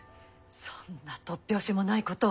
そんな突拍子もないことを。